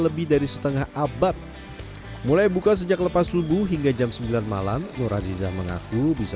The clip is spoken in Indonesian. lebih dari setengah abad mulai buka sejak lepas subuh hingga jam sembilan malam nur aziza mengaku bisa